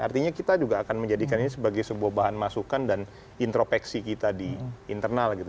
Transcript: artinya kita juga akan menjadikan ini sebagai sebuah bahan masukan dan intropeksi kita di internal gitu